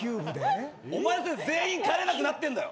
お前のせいで全員帰れなくなってんだよ。